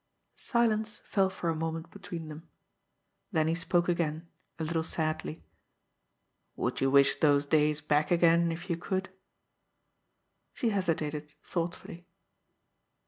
Silence fell for a moment between them. Then he spoke again, a little sadly: "Would you wish those days back again, if you could?" She hesitated thoughtfully.